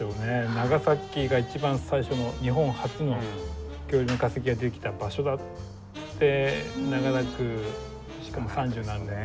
長崎が一番最初の日本初の恐竜の化石が出てきた場所だって長らくしかも三十何年？